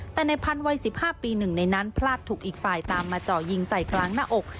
แต่ในพันธวัย๑๕ปีหนึ่งในนั้นพลาดถูกอีกฝ่ายตามมาเจาะยิงใส่กลางหน้าอก